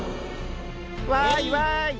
わいわい！